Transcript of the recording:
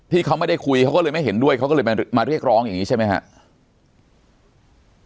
ที่เขาไม่ได้คุยเขาก็เลยไม่เห็นด้วยเขาก็เลยมาเรียกร้องอย่างนี้ใช่ไหมครับ